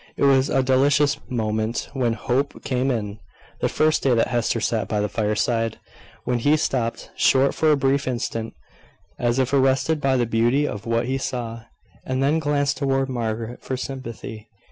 It was a delicious moment when Hope came in, the first day that Hester sat by the fireside, when he stopped short for a brief instant, as if arrested by the beauty of what he saw; and then glanced towards Margaret for sympathy.